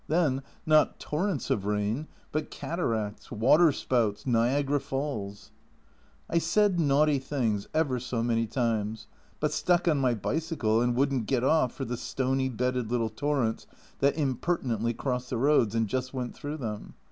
Then, not torrents of rain, but cataracts, waterspouts, Niagara falls ! I said naughty things ever so many times, but stuck on my bicycle and wouldn't get off for the stony bedded little torrents that impertinently crossed the roads, and just went through them.